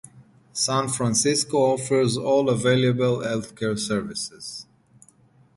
San Francisco offers all available health care services.